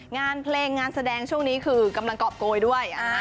งานเพลงงานแสดงช่วงนี้คือกำลังกรอบโกยด้วย